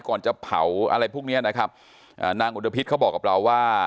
ก่อนจะเผาอะไรพวกเนี้ยนะครับอ่านางอุดพิษเขาบอกกับเราว่า